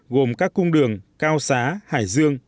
gồm các cung đường cao xá hải dương